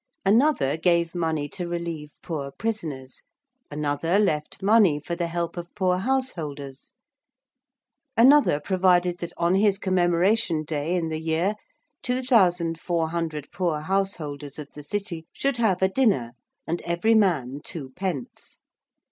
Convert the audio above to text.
Another gave money to relieve poor prisoners: another left money for the help of poor householders: another provided that on his commemoration day in the year 2,400 poor householders, of the City should have a dinner and every man two pence.